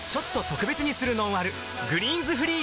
「グリーンズフリー」